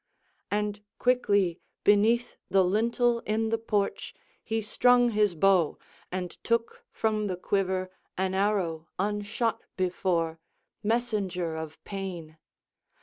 And quickly beneath the lintel in the porch he strung his bow and took from the quiver an arrow unshot before, messenger of pain.